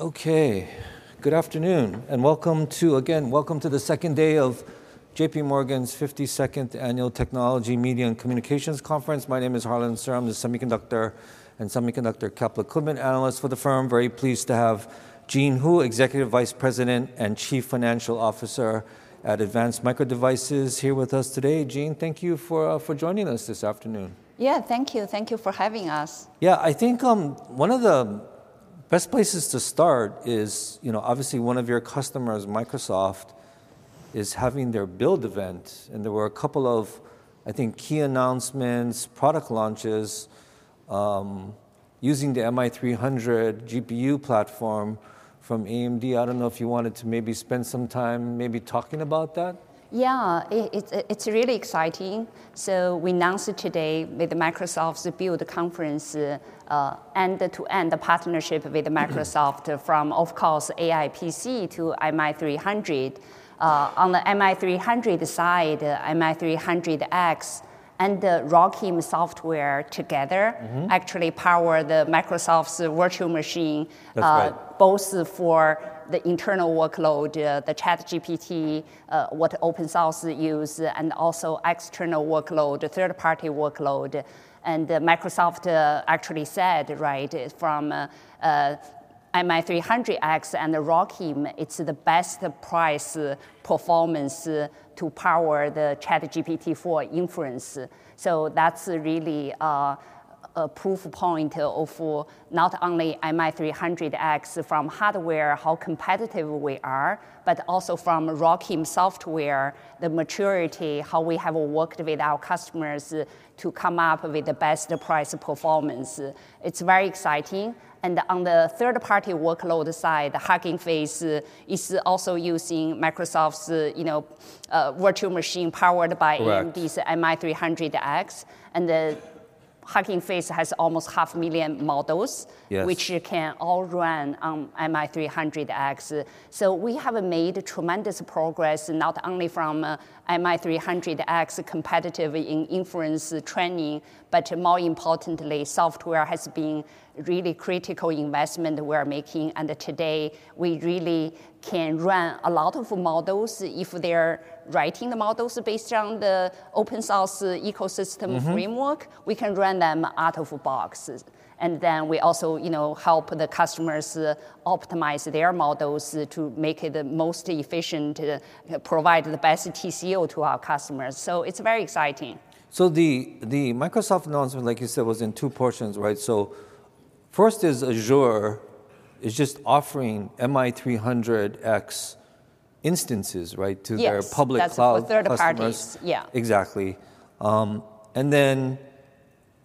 Okay, good afternoon and welcome to, again, welcome to the second day of J.P. Morgan's 52nd Annual Technology, Media, and Communications Conference. My name is Harlan Sur. I'm the Semiconductor and Semiconductor Capital Equipment Analyst for the firm. Very pleased to have Jean Hu, Executive Vice President and Chief Financial Officer at Advanced Micro Devices, here with us today. Jean, thank you for joining us this afternoon. Yeah, thank you. Thank you for having us. Yeah, I think, one of the best places to start is, you know, obviously, one of your customers, Microsoft, is having their Build event, and there were a couple of, I think, key announcements, product launches, using the MI300 GPU platform from AMD. I don't know if you wanted to maybe spend some time maybe talking about that? Yeah, it's really exciting. So we announced it today with the Microsoft Build conference, end-to-end partnership with Microsoft from, of course, AI PC to MI300. On the MI300 side, MI300X and the ROCm software together- Mm-hmm -actually power the Microsoft's virtual machine- That's right -both for the internal workload, the ChatGPT, what open source use, and also external workload, third-party workload. And Microsoft, actually said, right, from, MI300X and the ROCm, it's the best price performance, to power the ChatGPT-4 inference. So that's really, a proof point of, for not only MI300X from hardware, how competitive we are, but also from ROCm software, the maturity, how we have worked with our customers to come up with the best price performance. It's very exciting. And on the third-party workload side, the Hugging Face is also using Microsoft's, you know, virtual machine powered by- Correct AMD's MI300X, and the Hugging Face has almost 500,000 models- Yes -which can all run on MI300X. So we have made tremendous progress, not only from MI300X competitive in inference training, but more importantly, software has been really critical investment we are making, and today we really can run a lot of models. If they're writing the models based on the open source ecosystem framework- Mm-hmm -we can run them out of box. And then we also, you know, help the customers optimize their models to make it the most efficient, provide the best TCO to our customers. So it's very exciting. So the Microsoft announcement, like you said, was in two portions, right? So first is Azure is just offering MI300X instances, right? Yes. To their public cloud customers. That's for third parties. Yeah. Exactly. And then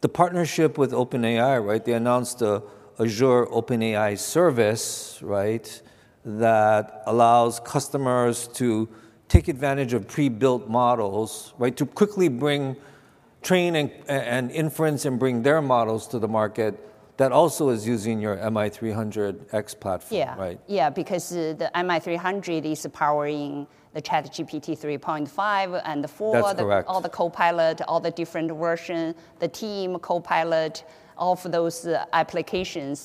the partnership with OpenAI, right? They announced the Azure OpenAI Service, right, that allows customers to take advantage of pre-built models, right, to quickly bring training and inference and bring their models to the market that also is using your MI300X platform, right? Yeah, yeah, because the MI300 is powering the ChatGPT 3.5 and the 4- That's correct -all the Copilot, all the different version, the Team Copilot, all of those applications.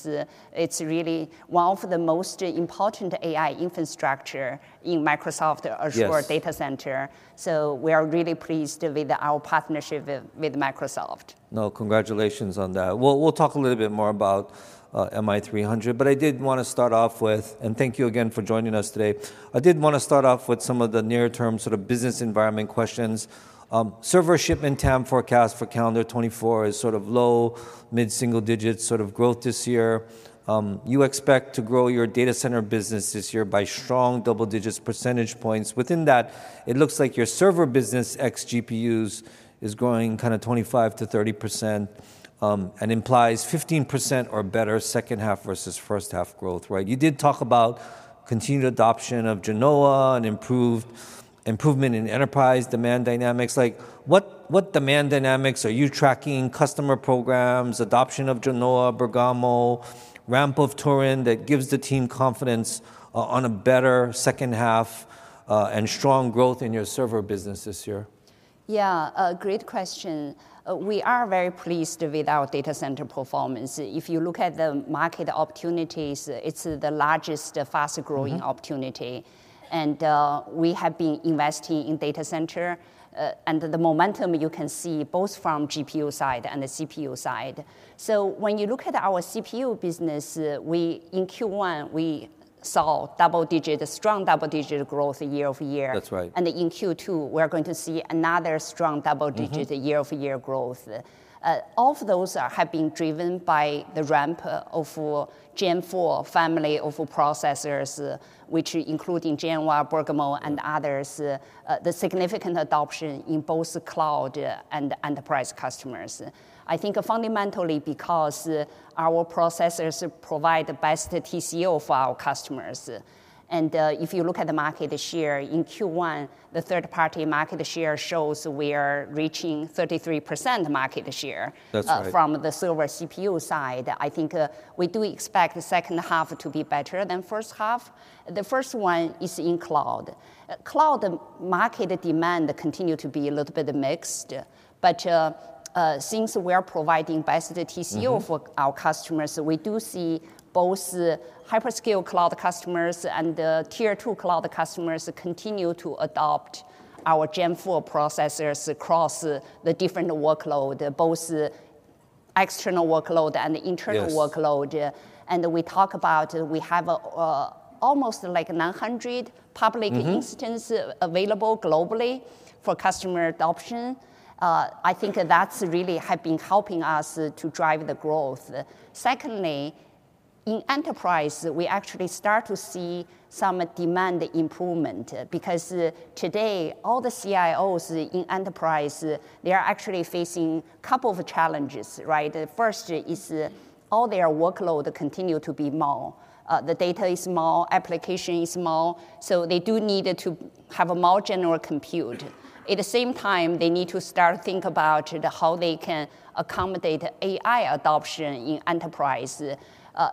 It's really one of the most important AI infrastructure in Microsoft- Yes -Azure Data Center, so we are really pleased with our partnership with Microsoft. No, congratulations on that. We'll, we'll talk a little bit more about MI300, but I did want to start off with. And thank you again for joining us today. I did want to start off with some of the near-term sort of business environment questions. Server shipment TAM forecast for calendar 2024 is sort of low, mid-single digits sort of growth this year. You expect to grow your data center business this year by strong double digits percentage points. Within that, it looks like your server business ex-GPUs is growing kind of 25%-30%, and implies 15% or better second half versus first half growth, right? You did talk about continued adoption of Genoa and improved, improvement in enterprise demand dynamics. Like, what demand dynamics are you tracking, customer programs, adoption of Genoa, Bergamo, ramp of Turin, that gives the team confidence on a better second half, and strong growth in your server business this year? Yeah, a great question. We are very pleased with our data center performance. If you look at the market opportunities, it's the largest, fastest-growing- Mm-hmm -opportunity, and we have been investing in data center, and the momentum you can see both from GPU side and the CPU side. So when you look at our CPU business, in Q1, we saw double-digit, strong double-digit growth year-over-year. That's right. In Q2, we're going to see another strong double digits- Mm-hmm -year-over-year growth. All of those are have been driven by the ramp of Zen 4 family of processors, which including Genoa, Bergamo, and others, the significant adoption in both cloud, and enterprise customers. I think fundamentally because, our processors provide the best TCO for our customers. If you look at the market share, in Q1, the third-party market share shows we are reaching 33% market share- That's right -from the server CPU side. I think, we do expect the second half to be better than first half. The first one is in cloud. Cloud market demand continue to be a little bit mixed, but, since we are providing best TCO- Mm-hmm -for our customers, we do see both the hyperscale cloud customers and the Tier 2 cloud customers continue to adopt our Zen 4 processors across the different workload, both external workload and internal- Yes. -workload. And we talk about, we have, almost like 900 public- Mm-hmm -instances available globally for customer adoption. I think that's really have been helping us to drive the growth. Secondly, in enterprise, we actually start to see some demand improvement. Because today, all the CIOs in enterprise, they are actually facing couple of challenges, right? The first is all their workload continue to be more. The data is more, application is more, so they do need to have a more general compute. At the same time, they need to start think about how they can accommodate AI adoption in enterprise.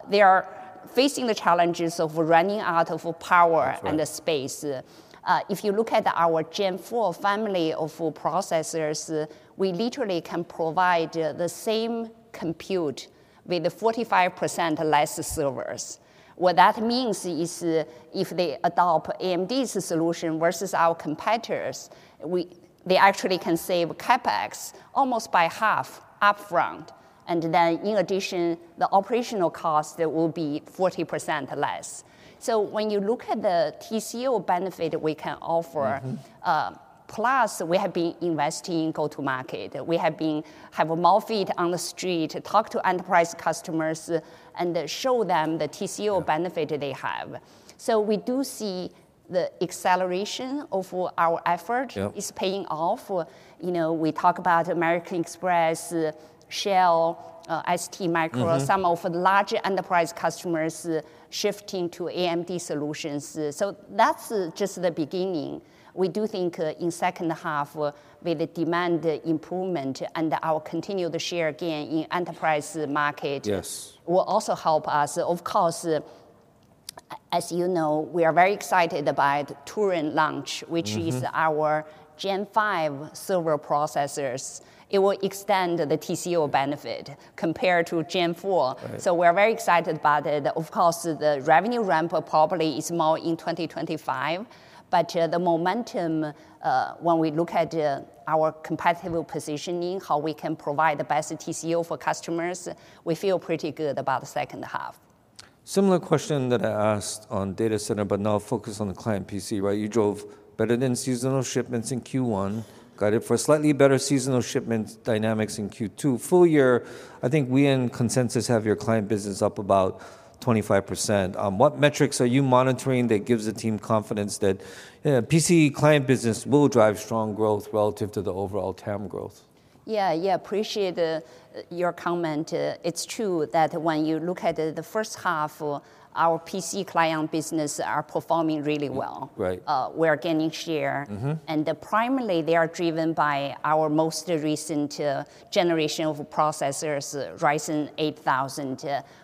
They are facing the challenges of running out of power- That's right -and the space. If you look at our Zen 4 family of processors, we literally can provide the same compute with 45% less servers. What that means is, if they adopt AMD's solution versus our competitors, they actually can save CapEx almost by half upfront, and then in addition, the operational cost will be 40% less. So when you look at the TCO benefit we can offer. Mm-hmm. Plus, we have been investing in go-to-market. We have been having more feet on the street to talk to enterprise customers, and show them the TCO benefit they have. So we do see the acceleration of our effort- Yeah -is paying off. You know, we talk about American Express, Shell, STMicroelectronics- Mm-hmm -some of the large enterprise customers shifting to AMD solutions. So that's just the beginning. We do think, in second half, with the demand improvement and our continued share gain in enterprise market. Yes -will also help us. Of course, as you know, we are very excited about Turin launch- Mm-hmm -which is our Zen 5 server processors. It will extend the TCO benefit compared to Zen 4. Right. So we're very excited about it. Of course, the revenue ramp probably is more in 2025, but, the momentum, when we look at, our competitive positioning, how we can provide the best TCO for customers, we feel pretty good about the second half. Similar question that I asked on data center, but now focused on the client PC, right? You drove better than seasonal shipments in Q1, guided for slightly better seasonal shipment dynamics in Q2. Full year, I think we, in consensus, have your client business up about 25%. What metrics are you monitoring that gives the team confidence that, PC client business will drive strong growth relative to the overall TAM growth? Yeah, yeah, appreciate your comment. It's true that when you look at the first half of our PC client business are performing really well. Right. We're gaining share. Mm-hmm. Primarily, they are driven by our most recent generation of processors, Ryzen 8000.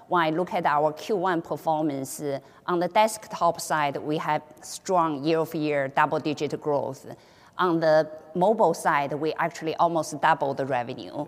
When I look at our Q1 performance, on the desktop side, we had strong year-over-year double-digit growth. On the mobile side, we actually almost doubled the revenue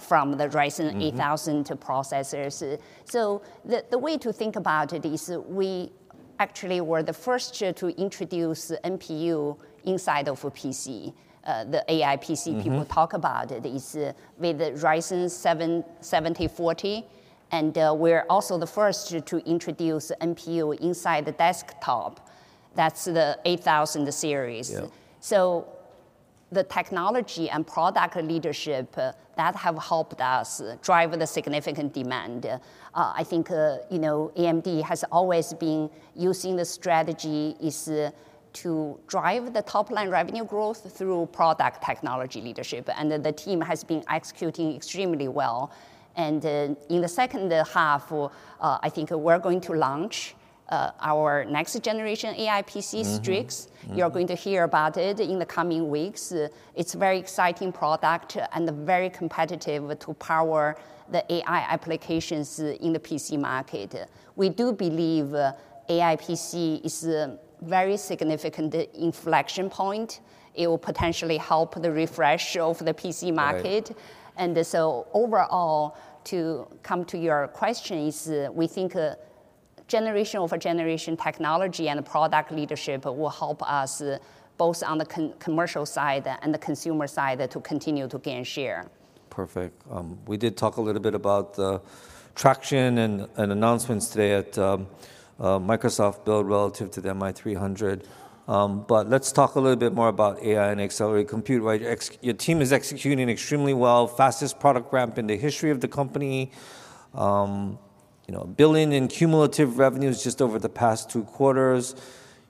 from the Ryzen- Mm-hmm - 8000 to processors. So the way to think about it is we actually were the first to introduce NPU inside of a PC, the AI PC- Mm-hmm -people talk about. It is with the Ryzen 7040, and we're also the first to introduce NPU inside the desktop. That's the 8000 series. Yeah. So the technology and product leadership that have helped us drive the significant demand. I think, you know, AMD has always been using this strategy is to drive the top-line revenue growth through product technology leadership, and the team has been executing extremely well. In the second half, I think we're going to launch our next generation AI PC Strix. Mm-hmm. Mm-hmm. You're going to hear about it in the coming weeks. It's a very exciting product and very competitive to power the AI applications in the PC market. We do believe AI PC is a very significant inflection point. It will potentially help the refresh of the PC market. Right. And so overall, to come to your question, we think generation-over-generation technology and product leadership will help us, both on the commercial side and the consumer side, to continue to gain share. Perfect. We did talk a little bit about the traction and announcements today at Microsoft Build relative to the MI300. But let's talk a little bit more about AI and accelerated compute, right? Your team is executing extremely well, fastest product ramp in the history of the company. You know, $1 billion in cumulative revenues just over the past two quarters.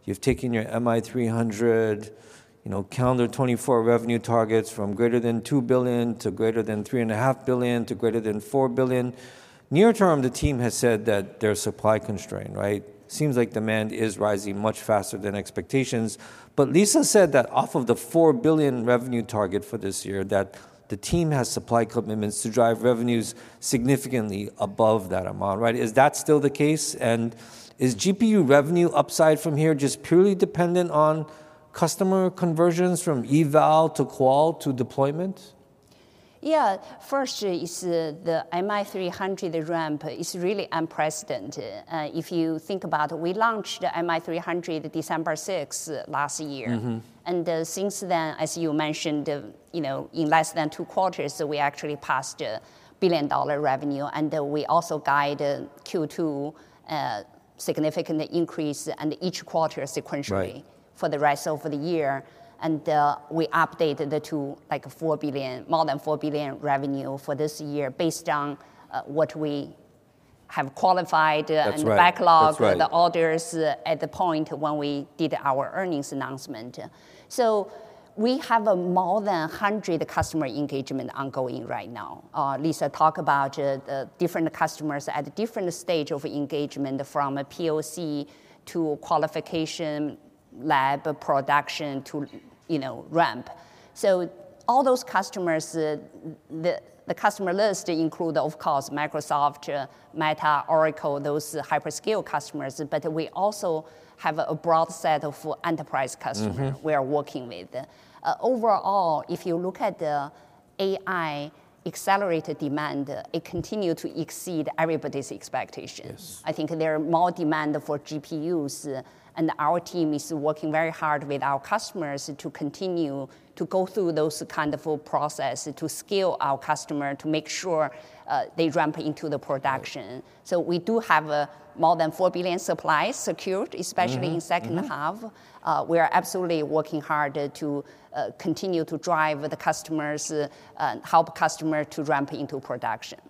You've taken your MI300, you know, calendar 2024 revenue targets from greater than $2 billion to greater than $3.5 billion, to greater than $4 billion. Near term, the team has said that there's supply constraint, right? Seems like demand is rising much faster than expectations. Lisa said that off of the $4 billion revenue target for this year, that the team has supply commitments to drive revenues significantly above that amount, right? Is that still the case? Is GPU revenue upside from here just purely dependent on customer conversions from eval to qual to deployment? Yeah, first is the, the MI300 ramp is really unprecedented. If you think about it, we launched MI300 December 6th last year. Mm-hmm. And, since then, as you mentioned, you know, in less than two quarters, we actually passed a billion-dollar revenue, and we also guided Q2, significant increase and each quarter sequentially- Right - for the rest of the year. And, we updated it to, like, $4 billion, more than $4 billion revenue for this year based on, what we have qualified- That's right. and backlog That's right -for the orders at the point when we did our earnings announcement. We have more than 100 customer engagements ongoing right now. Lisa talked about the different customers at different stages of engagement, from a POC to qualification, lab, production to, you know, ramp. All those customers, the customer list includes, of course, Microsoft, Meta, Oracle, those hyperscale customers, but we also have a broad set of enterprise customers- Mm-hmm -we are working with. Overall, if you look at the AI accelerated demand, it continue to exceed everybody's expectations. Yes. I think there are more demand for GPUs, and our team is working very hard with our customers to continue to go through those kind of process, to scale our customer, to make sure they ramp into the production. So we do have more than 4 billion supplies secured- Mm-hmm -especially in second half. Mm-hmm. We are absolutely working hard to continue to drive the customers, help customer to ramp into production.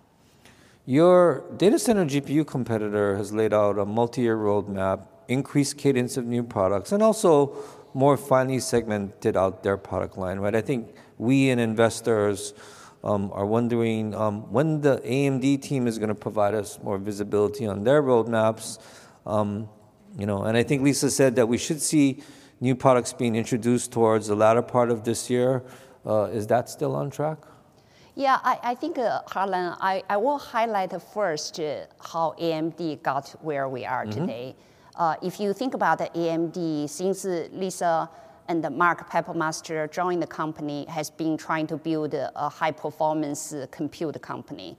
Your data center GPU competitor has laid out a multi-year roadmap, increased cadence of new products, and also more finely segmented out their product line, right? I think we and investors are wondering when the AMD team is gonna provide us more visibility on their roadmaps. You know, and I think Lisa said that we should see new products being introduced towards the latter part of this year. Is that still on track? Yeah, I think, Harlan, I will highlight first how AMD got where we are today. Mm-hmm. If you think about AMD, since Lisa and Mark Papermaster joined the company, has been trying to build a high-performance compute company.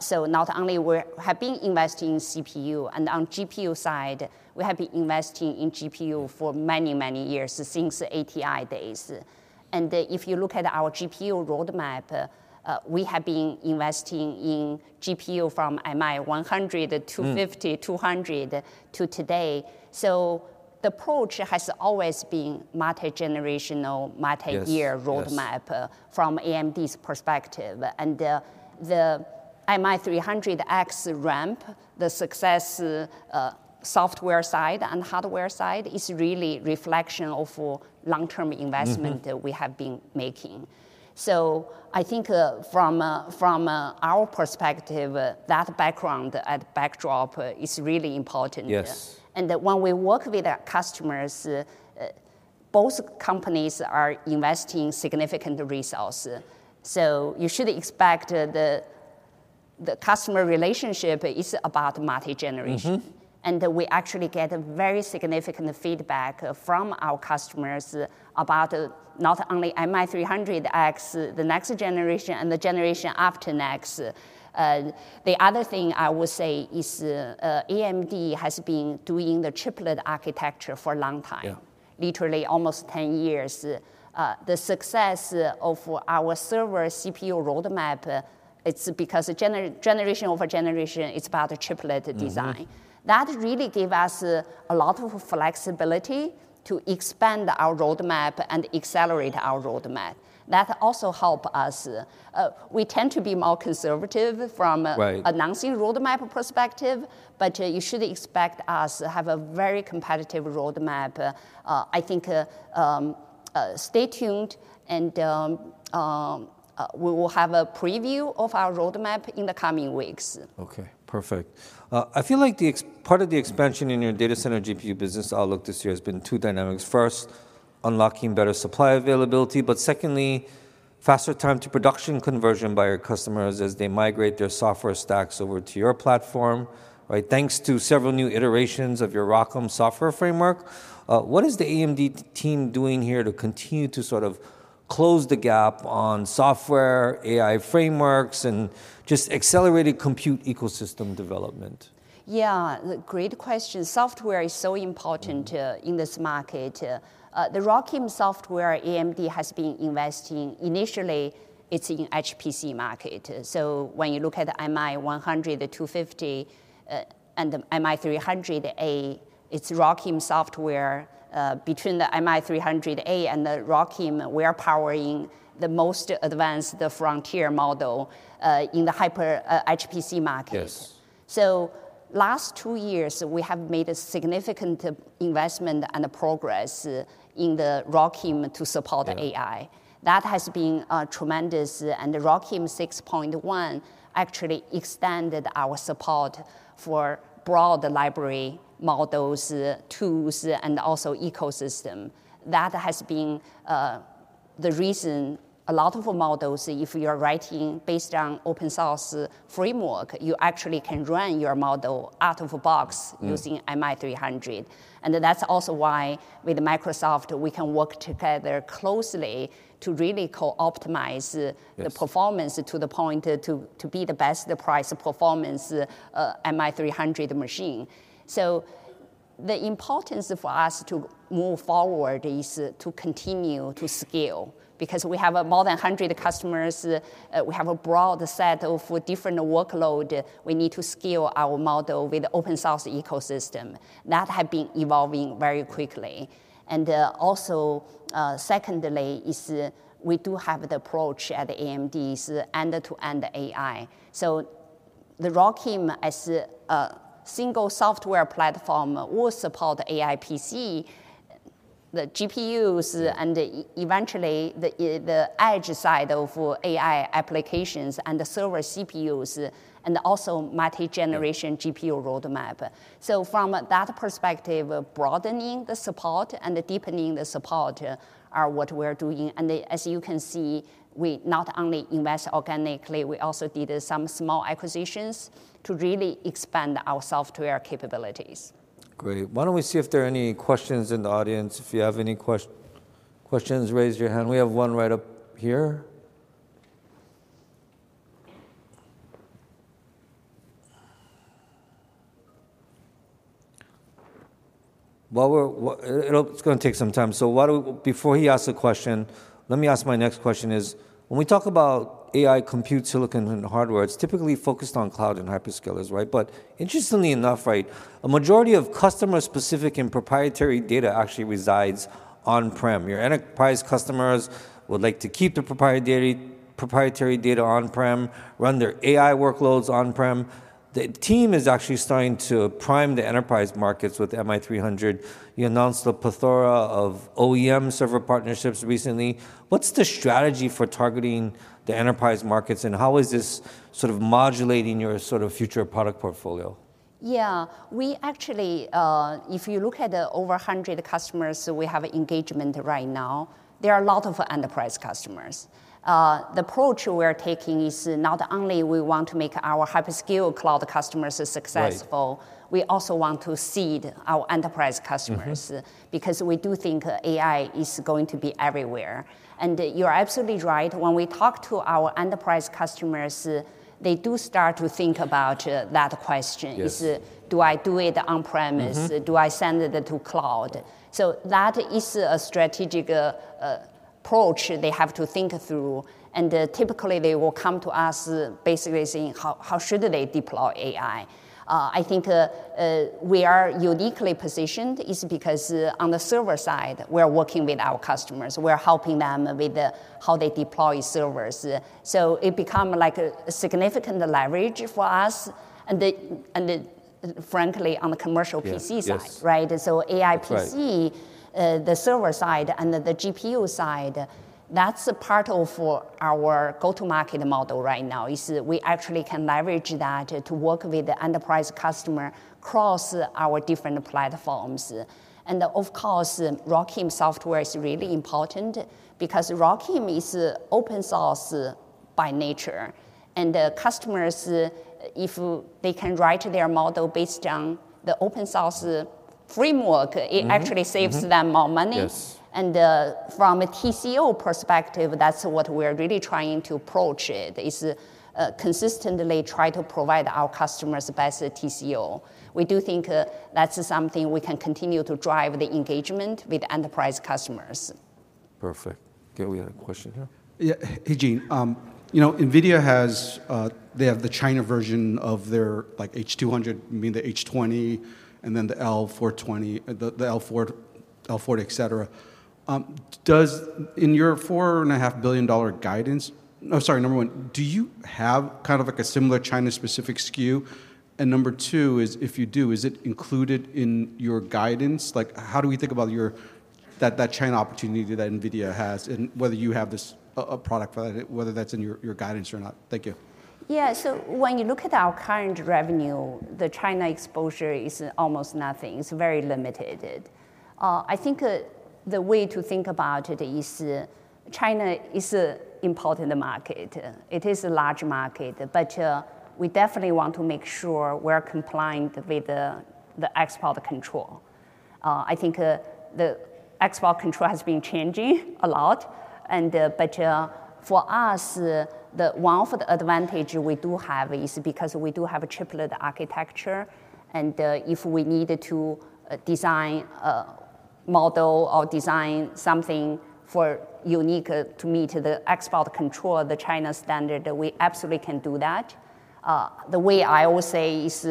So not only we have been investing in CPU and on GPU side, we have been investing in GPU for many, many years, since ATI days. And if you look at our GPU roadmap, we have been investing in GPU from MI100 to 250- Mm -200 to today. So the approach has always been multi-generational, multi-year roadmap- Yes, yes -from AMD's perspective. And the MI300X ramp, the success, software side and hardware side is really reflection of long-term investment- Mm-hmm -that we have been making. So I think, from our perspective, that background backdrop is really important. Yes. When we work with our customers, both companies are investing significant resources. So you should expect the customer relationship is about multi-generation. Mm-hmm. We actually get a very significant feedback from our customers about not only MI300X, the next generation and the generation after next. The other thing I would say is, AMD has been doing the chiplet architecture for a long time. Yeah. Literally almost 10 years. The success of our server CPU roadmap, it's because generation over generation, it's about a chiplet design. Mm-hmm. That really gave us a lot of flexibility to expand our roadmap and accelerate our roadmap. That also help us. We tend to be more conservative from- Right -announcing roadmap perspective, but you should expect us to have a very competitive roadmap. I think, stay tuned, and we will have a preview of our roadmap in the coming weeks. Okay, perfect. I feel like the expansion in your data center GPU business outlook this year has been two dynamics. First, unlocking better supply availability, but secondly, faster time to production conversion by your customers as they migrate their software stacks over to your platform, right? Thanks to several new iterations of your ROCm software framework. What is the AMD team doing here to continue to sort of close the gap on software, AI frameworks, and just accelerated compute ecosystem development? Yeah, great question. Software is so important- Mm-hmm -in this market. The ROCm software AMD has been investing initially, it's in HPC market. So when you look at MI100, the 250, and the MI300A, it's ROCm software. Between the MI300A and the ROCm, we are powering the most advanced, the frontier model, in the hyper HPC market. Yes. Last two years, we have made a significant investment and progress in the ROCm to support the AI. Yeah. That has been tremendous, and the ROCm 6.1 actually extended our support for broad library models, tools, and also ecosystem. That has been the reason a lot of models, if you are writing based on open source framework, you actually can run your model out of the box- Mm. using MI300. And that's also why with Microsoft, we can work together closely to really co-optimize the- Yes -the performance to the point to be the best price performance MI300 machine. So the importance for us to move forward is to continue to scale, because we have more than 100 customers, we have a broad set of different workload, we need to scale our model with open source ecosystem. That have been evolving very quickly. And, also, secondly, is we do have the approach at AMD's end-to-end AI. So the ROCm as a single software platform will support AI PC, the GPUs- Yeah -and eventually, the edge side of AI applications and the server CPUs, and also multi-generation- Yeah GPU roadmap. So from that perspective, broadening the support and deepening the support are what we're doing. And as you can see, we not only invest organically, we also did some small acquisitions to really expand our software capabilities. Great. Why don't we see if there are any questions in the audience? If you have any questions, raise your hand. We have one right up here. While it's gonna take some time, so why don't before he asks a question, let me ask my next question: when we talk about AI compute, silicon, and hardware, it's typically focused on cloud and hyperscalers, right? But interestingly enough, right, a majority of customer-specific and proprietary data actually resides on-prem. Your enterprise customers would like to keep the proprietary, proprietary data on-prem, run their AI workloads on-prem. The team is actually starting to prime the enterprise markets with MI300. You announced a plethora of OEM server partnerships recently. What's the strategy for targeting the enterprise markets, and how is this sort of modulating your sort of future product portfolio? Yeah. We actually, if you look at the over 100 customers we have engagement right now, there are a lot of enterprise customers. The approach we're taking is not only we want to make our hyperscale cloud customers successful- Right -we also want to seed our enterprise customers. Mm-hmm. Because we do think AI is going to be everywhere. And you're absolutely right, when we talk to our enterprise customers, they do start to think about that question. Yes. Do I do it on-premise? Mm-hmm. Do I send it to cloud? So that is a strategic approach they have to think through, and, typically, they will come to us basically saying, how should they deploy AI? I think, we are uniquely positioned is because, on the server side, we're working with our customers. We're helping them with the, how they deploy servers. So it become like a significant leverage for us, and frankly, on the commercial PC side. Yes, yes. Right? So AI PC- Right -the server side and the GPU side, that's a part of our go-to-market model right now, is we actually can leverage that to work with the enterprise customer across our different platforms. Of course, ROCm software is really important because ROCm is open source by nature, and the customers, if they can write their model based on the open source framework- Mm-hmm, mm-hmm -it actually saves them more money. Yes. From a TCO perspective, that's what we're really trying to approach. It is consistently try to provide our customers the best TCO. We do think that's something we can continue to drive the engagement with enterprise customers. Perfect. Okay, we have a question here. Yeah. Hey, Jean. You know, NVIDIA has, they have the China version of their like H200, you mean the H20, and then the L40, the L40, et cetera. Does in your $4.5 billion guidance. Oh, sorry, number one, do you have kind of like a similar China-specific SKU? And number two is, if you do, is it included in your guidance? Like, how do we think about your, that, that China opportunity that NVIDIA has, and whether you have this, a, a product for that, whether that's in your, your guidance or not? Thank you. Yeah. So when you look at our current revenue, the China exposure is almost nothing. It's very limited. I think the way to think about it is China is an important market. It is a large market, but we definitely want to make sure we're complying with the export control. I think the export control has been changing a lot, and but for us, the one of the advantage we do have is because we do have a chiplet architecture, and if we needed to design a model or design something for unique to meet the export control, the China standard, we absolutely can do that. The way I always say is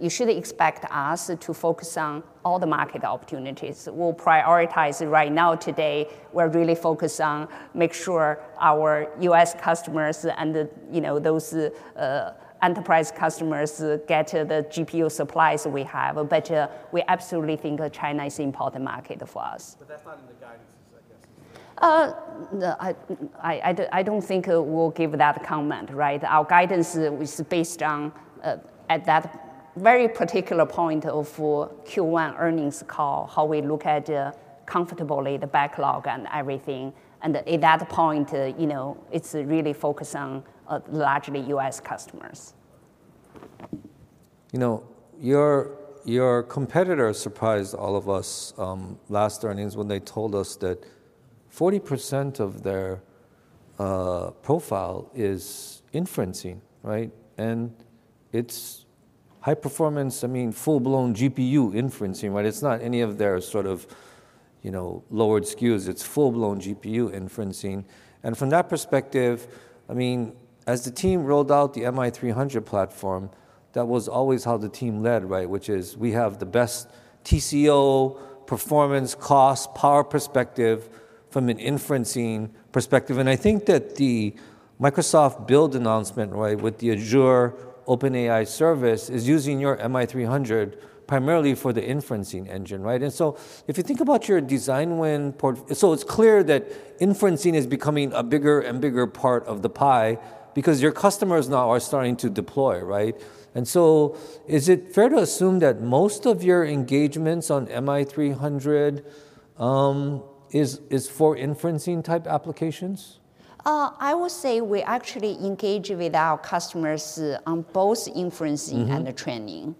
you should expect us to focus on all the market opportunities. We'll prioritize it right now. Today, we're really focused on make sure our U.S. customers and the, you know, those enterprise customers get the GPU supplies we have, but we absolutely think China is important market for us. But that's not in the guidance, I guess, is it? I don't think we'll give that comment, right? Our guidance is based on at that very particular point of for Q1 earnings call, how we look at comfortably the backlog and everything. At that point, you know, it's really focused on largely US customers. You know, your, your competitor surprised all of us last earnings when they told us that 40% of their profile is inferencing, right? And it's high performance, I mean, full-blown GPU inferencing, right? It's not any of their sort of, you know, lowered SKUs, it's full-blown GPU inferencing. And from that perspective, I mean, as the team rolled out the MI300 platform, that was always how the team led, right? Which is we have the best TCO, performance, cost, power perspective from an inferencing perspective. And I think that the Microsoft Build announcement, right, with the Azure OpenAI service, is using your MI300 primarily for the inferencing engine, right? And so if you think about your design win port- so it's clear that inferencing is becoming a bigger and bigger part of the pie because your customers now are starting to deploy, right? And so is it fair to assume that most of your engagements on MI300 is for inferencing-type applications? I would say we actually engage with our customers on both inferencing- Mm-hmm and training.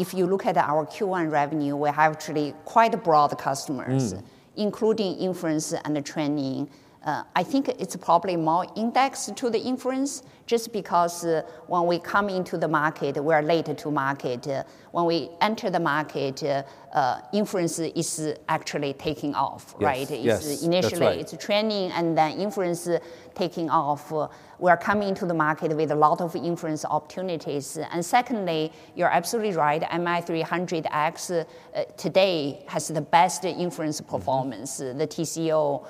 If you look at our Q1 revenue, we have actually quite broad customers- Mm -including inference and training. I think it's probably more indexed to the inference, just because, when we come into the market, we are late to market. When we enter the market, inference is actually taking off, right? Yes. Yes, that's right. Initially, it's training, and then inference taking off. We are coming to the market with a lot of inference opportunities. Secondly, you're absolutely right. MI300X today has the best inference performance. Mm-hmm. The TCO,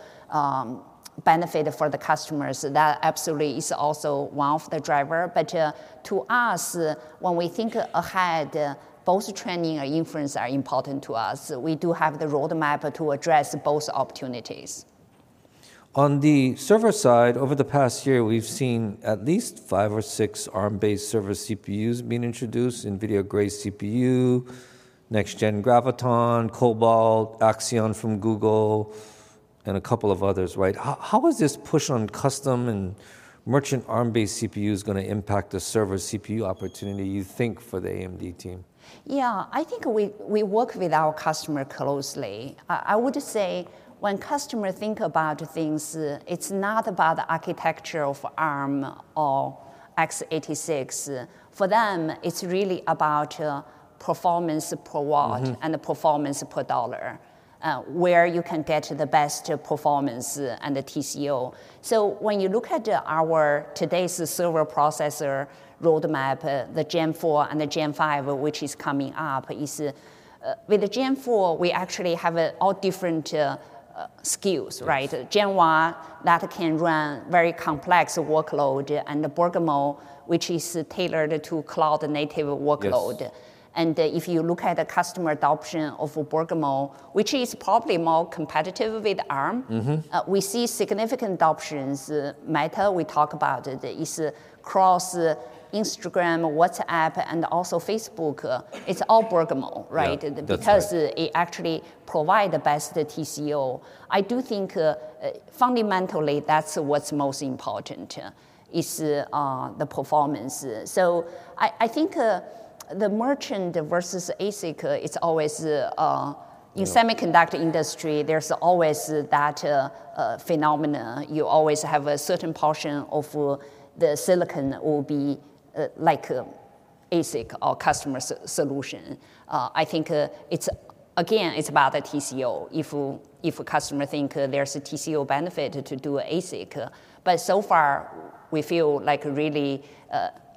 benefit for the customers, that absolutely is also one of the driver. But, to us, when we think ahead, both training and inference are important to us. We do have the roadmap to address both opportunities. On the server side, over the past year, we've seen at least five or six Arm-based server CPUs being introduced, NVIDIA Grace CPU, Next Gen Graviton, Cobalt, Axion from Google, and a couple of others, right? How, how is this push on custom and merchant Arm-based CPUs gonna impact the server CPU opportunity, you think, for the AMD team? Yeah, I think we work with our customer closely. I would say when customer think about things, it's not about the architecture of Arm or x86. For them, it's really about performance per watt- Mm-hmm -and the performance per dollar, where you can get the best performance and the TCO. So when you look at our today's server processor roadmap, the Zen 4 and the Zen 5, which is coming up, is with the Zen 4, we actually have all different SKUs, right? Yes. Genoa, that can run very complex workload, and Bergamo, which is tailored to cloud-native workload. Yes. If you look at the customer adoption of Bergamo, which is probably more competitive with Arm- Mm-hmm -we see significant adoptions. Meta, we talk about it, is across Instagram, WhatsApp, and also Facebook. It's all Bergamo, right? Yeah, that's right. Because it actually provide the best TCO. I do think, fundamentally, that's what's most important, is, the performance. So I think, the merchant versus ASIC is always, Yeah - in semiconductor industry, there's always that phenomenon. You always have a certain portion of the silicon will be like ASIC or customer solution. I think it's, again, it's about the TCO. If a customer think there's a TCO benefit to do ASIC. But so far, we feel like really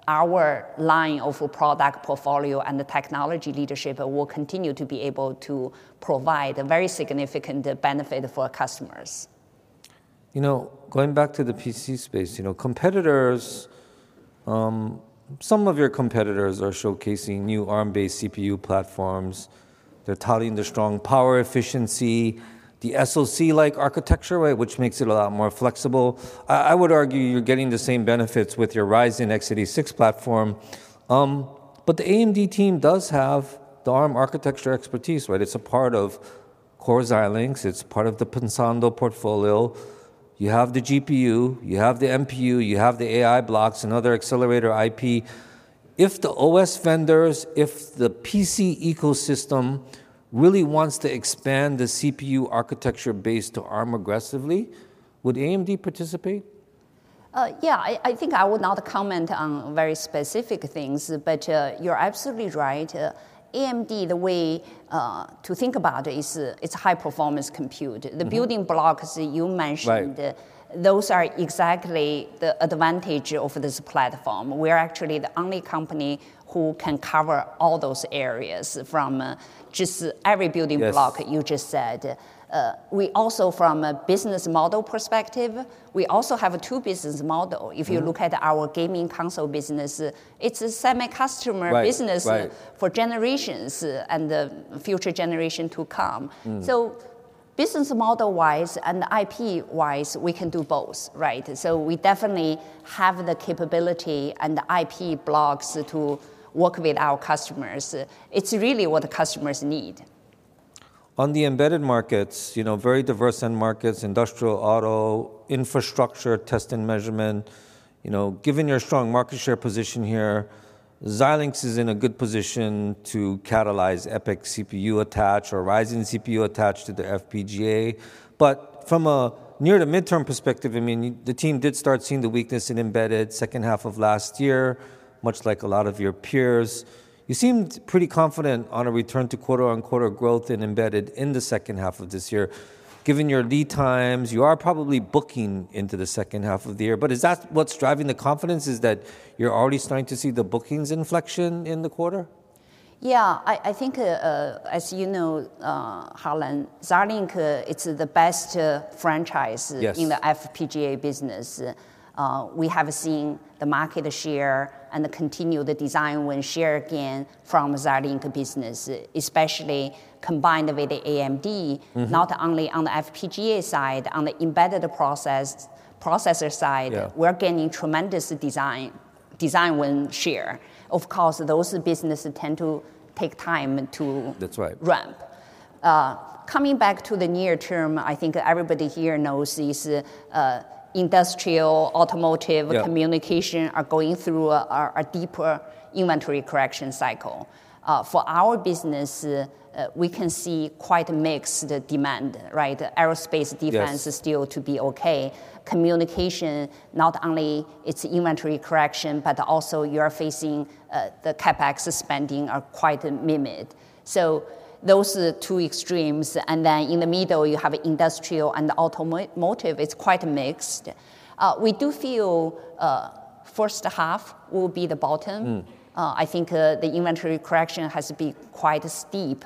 our line of product portfolio and the technology leadership will continue to be able to provide a very significant benefit for our customers. You know, going back to the PC space, you know, competitors, some of your competitors are showcasing new Arm-based CPU platforms. They're touting their strong power efficiency, the SoC-like architecture, right? Which makes it a lot more flexible. I would argue you're getting the same benefits with your Ryzen x86 platform. But the AMD team does have the Arm architecture expertise, right? It's a part of CoreLink, it's part of the Pensando portfolio. You have the GPU, you have the NPU, you have the AI blocks, and other accelerator IP. If the OS vendors, if the PC ecosystem really wants to expand the CPU architecture base to Arm aggressively, would AMD participate? Yeah, I think I would not comment on very specific things, but you're absolutely right. AMD, the way to think about it, is it's high-performance compute. Mm-hmm. The building blocks that you mentioned- Right -those are exactly the advantage of this platform. We're actually the only company who can cover all those areas, from just every building block- Yes -you just said. We also, from a business model perspective, we also have a two business model. Mm-hmm. If you look at our gaming console business, it's a semi-custom business- Right, right -for generations and the future generation to come. Mm. Business model-wise and IP-wise, we can do both, right? So we definitely have the capability and the IP blocks to work with our customers. It's really what the customers need. On the embedded markets, you know, very diverse end markets: industrial, auto, infrastructure, test and measurement. You know, given your strong market share position here, Xilinx is in a good position to catalyze EPYC CPU attach or Ryzen CPU attach to the FPGA. But from a near- to midterm perspective, I mean, the team did start seeing the weakness in embedded second half of last year, much like a lot of your peers. You seemed pretty confident on a return to quarter-on-quarter growth in embedded in the second half of this year. Given your lead times, you are probably booking into the second half of the year. But is that what's driving the confidence? Is that you're already starting to see the bookings inflection in the quarter? Yeah. I think, as you know, Harlan, Xilinx, it's the best, franchise- Yes in the FPGA business. We have seen the market share and the continued design win share again from Xilinx business, especially combined with the AMD. Mm-hmm. Not only on the FPGA side, on the embedded processor side- Yeah -we're gaining tremendous design win share. Of course, those businesses tend to take time to- That's right - ramp. Coming back to the near term, I think everybody here knows these, industrial, automotive- Yeah Communication are going through a deeper inventory correction cycle. For our business, we can see quite a mixed demand, right? Aerospace, defense- Yes -is still to be okay. Communication, not only it's inventory correction, but also you're facing, the CapEx spending are quite limited. So those are the two extremes, and then in the middle you have industrial, and the automotive is quite mixed. We do feel, first half will be the bottom. Mm. I think the inventory correction has to be quite steep,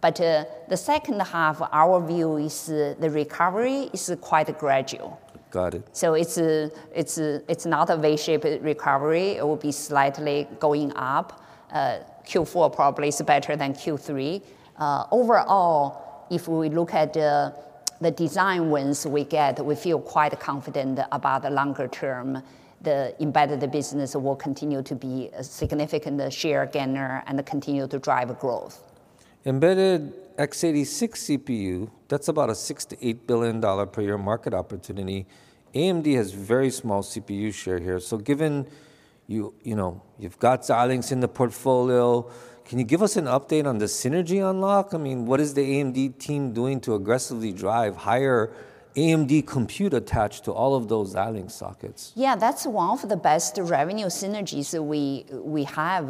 but the second half, our view is the recovery is quite gradual. Got it. So it's not a V-shaped recovery. It will be slightly going up. Q4 probably is better than Q3. Overall, if we look at the design wins we get, we feel quite confident about the longer term. The embedded business will continue to be a significant share gainer and continue to drive growth. Embedded x86 CPU, that's about a $6-$8 billion per year market opportunity. AMD has very small CPU share here, so given you, you know, you've got Xilinx in the portfolio, can you give us an update on the synergy unlock? I mean, what is the AMD team doing to aggressively drive higher AMD compute attached to all of those Xilinx sockets? Yeah, that's one of the best revenue synergies that we have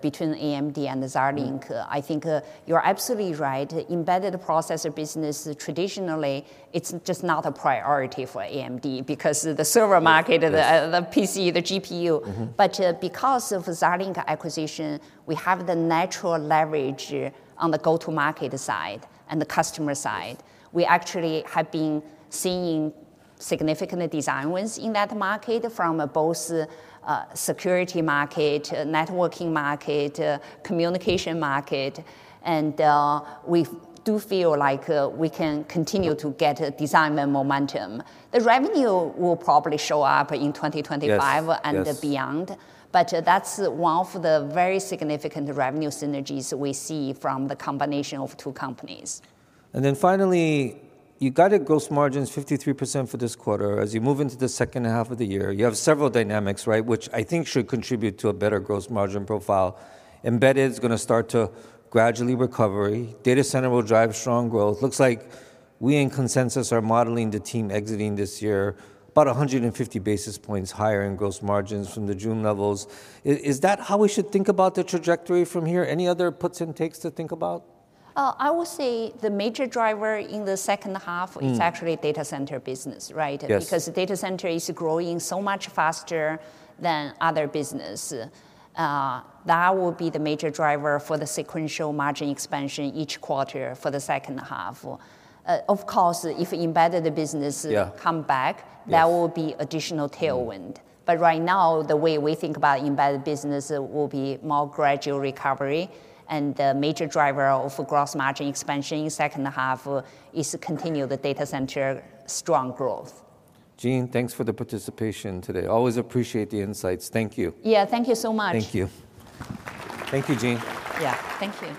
between AMD and Xilinx. Mm. I think, you're absolutely right. Embedded processor business, traditionally, it's just not a priority for AMD because the server market- Yes - the PC, the GPU. Mm-hmm. But, because of Xilinx acquisition, we have the natural leverage on the go-to-market side and the customer side. We actually have been seeing significant design wins in that market from both, security market, networking market, communication market, and, we do feel like, we can continue to get design win momentum. The revenue will probably show up in 2025- Yes, yes -and beyond, but that's one of the very significant revenue synergies we see from the combination of two companies. Then finally, you guided gross margins 53% for this quarter. As you move into the second half of the year, you have several dynamics, right? Which I think should contribute to a better gross margin profile. Embedded's gonna start to gradually recovery. Data center will drive strong growth. Looks like we in consensus are modeling the team exiting this year about 150 basis points higher in gross margins from the June levels. Is that how we should think about the trajectory from here? Any other puts and takes to think about? I would say the major driver in the second half- Mm -is actually data center business, right? Yes. Because data center is growing so much faster than other business. That will be the major driver for the sequential margin expansion each quarter for the second half. Of course, if embedded business- Yeah -come back. Yes -that will be additional tailwind. But right now, the way we think about embedded business will be more gradual recovery, and the major driver of gross margin expansion in second half is to continue the data center strong growth. Jean, thanks for the participation today. Always appreciate the insights. Thank you. Yeah, thank you so much. Thank you. Thank you, Jean. Yeah. Thank you.